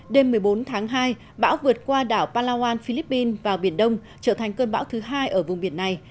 đêm một mươi bốn tháng hai bão vượt qua đảo palawan philippines vào biển đông trở thành cơn bão thứ hai ở vùng biển này